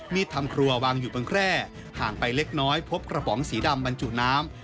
ทำครัววางอยู่บนแคร่ห่างไปเล็กน้อยพบกระป๋องสีดำบรรจุน้ำ